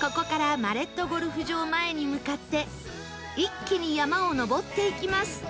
ここからマレットゴルフ場前に向かって一気に山を登っていきます